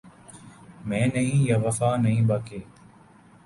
میں نہیں یا وفا نہیں باقی